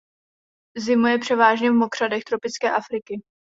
Zimuje převážně v mokřadech tropické Afriky.